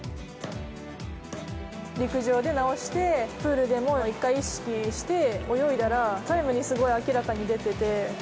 陸上で直してプールでも一回意識して泳いだら、タイムにすごい明らかに出てて。